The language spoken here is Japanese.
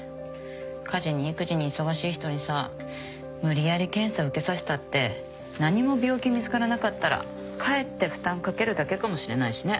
家事に育児に忙しい人にさ無理やり検査受けさせたって何も病気見つからなかったらかえって負担かけるだけかもしれないしね。